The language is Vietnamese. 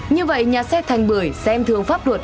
như vậy nhà xe thành bưởi xem thường pháp luật